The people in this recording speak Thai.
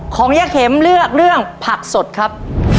ย่าเข็มเลือกเรื่องผักสดครับ